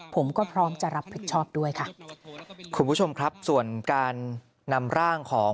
ผมก็พร้อมจะรับผิดชอบด้วยค่ะ